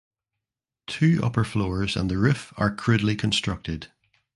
Two upper floors and the roof are crudely constructed.